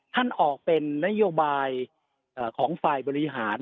ท่านออกเป็นนโยบายของฝ่ายบริหาร